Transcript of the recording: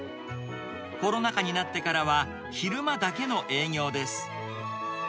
コロナ禍になってからは、昼間だけの営業です。